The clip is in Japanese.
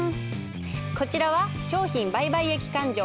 こちらは商品売買益勘定。